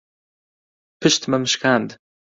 پشتمم شکاند.